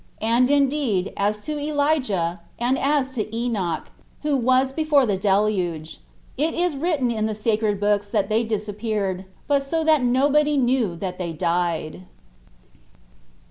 And indeed, as to Elijah, and as to Enoch, who was before the deluge, it is written in the sacred books that they disappeared, but so that nobody knew that they died.